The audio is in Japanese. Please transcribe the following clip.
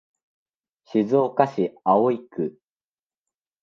静岡市葵区